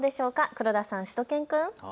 黒田さん、しゅと犬くん。